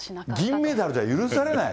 金メダルでは許されない。